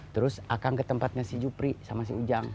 terus akan ke tempatnya si jupri sama si ujang